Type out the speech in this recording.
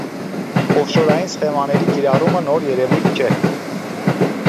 Օֆշորային սխեմաների կիրառումը նոր երևույթ չէ։